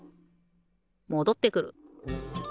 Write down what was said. もどってくる。